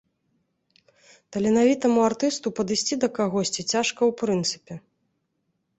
Таленавітаму артысту падысці да кагосьці цяжка ў прынцыпе.